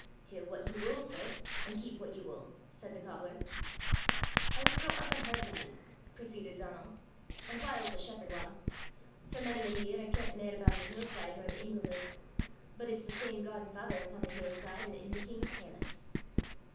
"Tell what ye wull, sir, an' keep what ye wull," said the cobbler. "I was broucht up a herd laddie," proceeded Donal, "an' whiles a shepherd ane. For mony a year I kent mair aboot the hill side nor the ingle neuk. But it's the same God an' Father upo' the hill side an' i' the king's pailace."